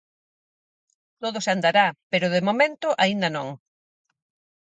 ¡Todo se andará!, pero de momento aínda non.